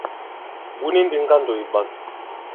Wu ni ndī ŋgandò ì ɓɔ̌n.